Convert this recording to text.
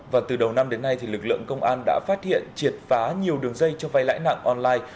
và từ đầu năm đến nay lực lượng công an đã phát hiện triệt phá nhiều đường dây cho vay lãi nặng online